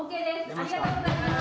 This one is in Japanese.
ありがとうございます。